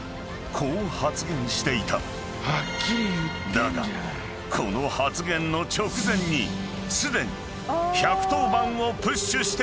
［だがこの発言の直前にすでに１１０番をプッシュしていた］